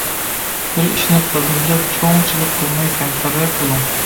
بىر ئىشنى قىلدىم، دەپ چوڭ چىلىق قىلماي كەمتەررەك بولۇڭ.